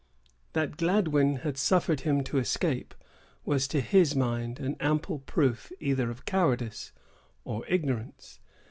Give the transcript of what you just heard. That Gladwyn had suffered him to escape, was to his mind an ample proof either of cowardice or ignorance.